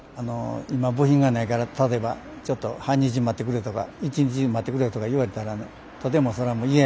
今部品がないから例えばちょっと半日待ってくれとか１日待ってくれとか言われたらとても嫌やからね。